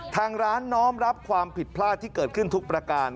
ทางร้านน้อมรับความผิดพลาดที่เกิดขึ้นทุกประการ